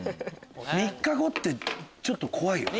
「３日後」ってちょっと怖いよね。